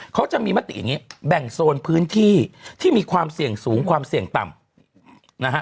เขาจะมีมติอย่างนี้แบ่งโซนพื้นที่ที่มีความเสี่ยงสูงความเสี่ยงต่ำนะฮะ